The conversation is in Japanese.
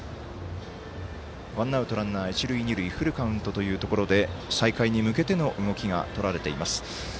ワンアウト、ランナー、一塁二塁フルカウントというところで再開に向けての動きがとられています。